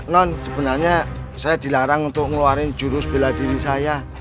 non sebenarnya saya dilarang untuk ngeluarin jurus bela diri saya